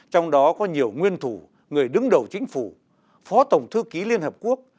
trong đó có nhiều nguyên thủ người đứng đầu chính phủ phó tổng thư ký liên hợp quốc